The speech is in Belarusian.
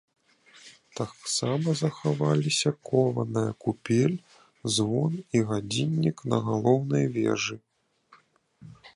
Таксама захаваліся кованая купель, звон і гадзіннік на галоўнай вежы.